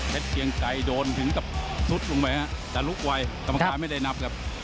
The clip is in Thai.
เพชรเกียงไก่โดนถึงสุดลงไปนะแต่ลุกไวตำการไม่ได้นับ